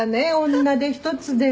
女手一つで」